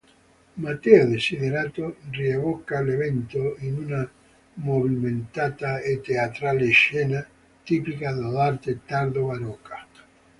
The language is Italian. Matteo Desiderato rievoca l'evento in una movimentata e teatrale scena, tipica dell'arte tardo-barocca.